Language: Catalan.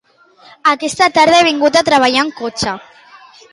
Aquesta tarda he vingut a treballar en cotxe